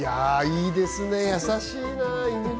いいですね、優しいな。